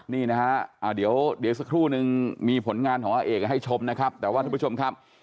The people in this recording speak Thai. นี่นะฮะเดี๋ยวสักครู่นึงมีผลงานของอาเอกให้ชมนะครับแต่ว่าท่านผู้ชมครับ